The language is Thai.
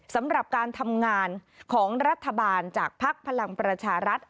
สำหรับการทำงานของรัฐบาลจากภักดิ์พลังประชารัฐ